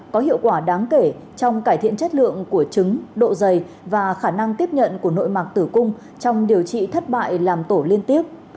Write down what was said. có hiệu quả đáng kể trong cải thiện chất lượng của trứng độ dày và khả năng tiếp nhận của nội mạc tử cung trong điều trị thất bại làm tổ liên tiếp